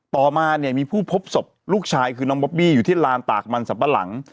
ต่อมาเนี่ยมีผู้พบศพลูกชายคือน้องบอบบี้อยู่ที่ลานตากมันสัมปะหลัง